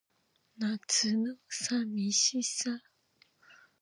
夏の淋しさ